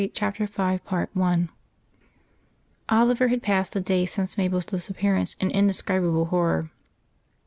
CHAPTER V I Oliver had passed the days since Mabel's disappearance in an indescribable horror.